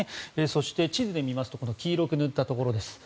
そして、地図で見ますと黄色く塗ったところです。